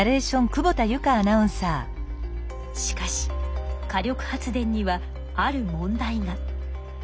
しかし火力発電にはある問題が。